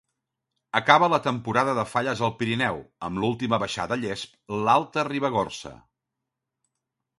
Acaba la temporada de falles al Pirineu, amb l'última baixada a Llesp, l'Alta Ribagorça.